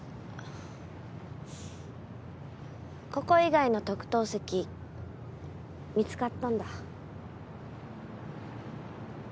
ここ以外の特等席見つかったんだ？